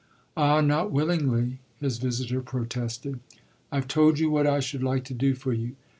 "Ah not willingly!" his visitor protested. "I've told you what I should like to do for you.